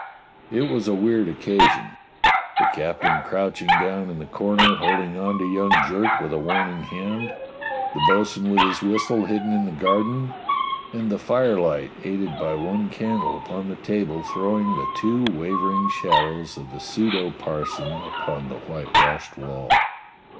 It was a weird occasion: the captain 242 DOCTOR SYN crouching down in the corner holding on to young Jerk with a warning hand, the bo'sun with his whistle hidden in the garden, and the firelight aided by one candle upon the table throwing the two wavering shad ows of the pseudo parson upon the whitewashed wall.